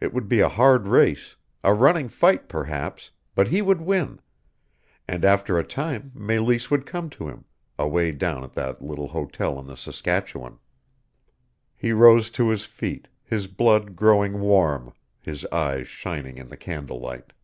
It would be a hard race a running fight perhaps but he would win, and after a time Meleese would come to him, away down at the little hotel on the Saskatchewan. He rose to his feet, his blood growing warm, his eyes shining in the candle light.